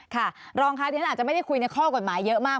ค่ะรองค่ะที่ฉันอาจจะไม่ได้คุยในข้อกฎหมายเยอะมาก